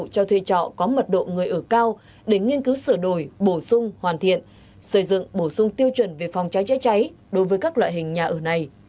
cho thuê trọ có mật độ người ở cao để nghiên cứu sửa đổi bổ sung hoàn thiện xây dựng bổ sung tiêu chuẩn về phòng cháy chữa cháy đối với các loại hình nhà ở này